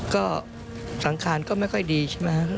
ก็สังคารก็ไม่ค่อยดีใช่ไหม